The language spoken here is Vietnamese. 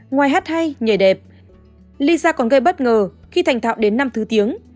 ngoài hát hay nhảy đẹp lysa còn gây bất ngờ khi thành thạo đến năm thứ tiếng